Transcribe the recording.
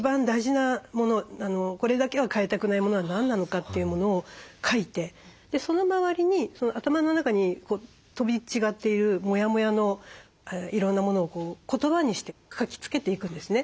これだけは変えたくないものは何なのかというものを書いてその周りに頭の中に飛び違っているモヤモヤのいろんなものを言葉にして書きつけていくんですね。